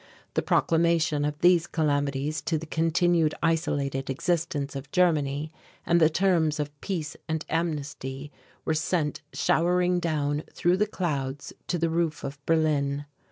The proclamation of these calamities to the continued isolated existence of Germany and the terms of peace and amnesty were sent showering down through the clouds to the roof of Berlin.